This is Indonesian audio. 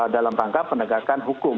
dalam rangka pendagangan hukum